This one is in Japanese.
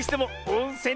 おんせん！